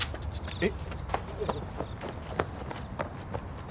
えっ？